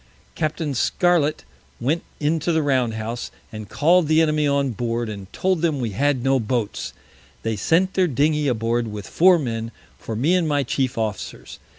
Capt. Scarlet went into the Round House, and call'd the Enemy on board, and told them we had no Boats. They sent their Dingey aboard with Four Men for me and my chief Officers.